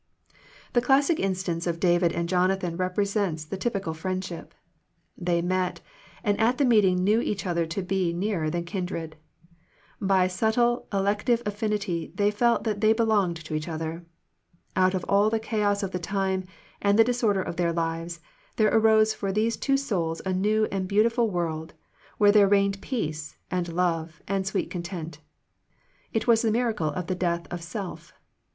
The classic instance of David and Jona than represents the typical friendship. They met, and at the meeting knew each other to be nearer than kindred. By subtle elective affinity they felt that they belonged to each other. Out of all the chaos of the time and the disorder of their lives, there arose for these two souls a new and beautiful world, where there reigned peace, and love, and sweet con tent. It was the miracle of the death of self.